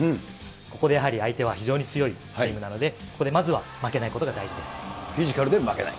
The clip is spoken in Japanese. ここでやはり相手は非常に強いチームなので、ここでまずは負けなフィジカルで負けない？